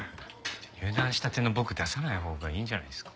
入団したての僕出さないほうがいいんじゃないですか？